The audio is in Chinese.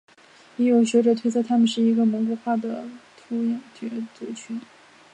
也有学者推测他们是一个蒙古化的突厥族群。